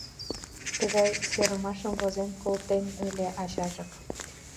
Тыгай серымашым возен колтен ыле ачажак.